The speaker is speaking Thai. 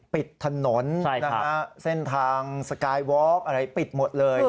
ปิดถนนนะฮะเส้นทางสกายวอล์กอะไรปิดหมดเลย